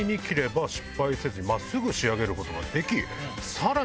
さらに。